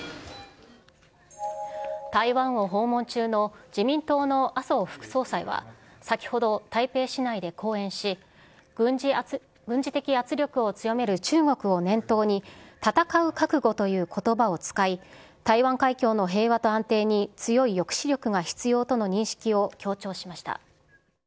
台湾を訪問中の自民党の麻生副総裁は、先ほど、台北市内で講演し、軍事的圧力を強める中国を念頭に、戦う覚悟ということばを使い、台湾海峡の平和と安定に強い抑止力が必要との認識を強調しました。